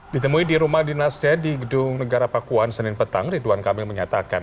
ditemui di rumah dinasnya di gedung negara pakuan senin petang ridwan kamil menyatakan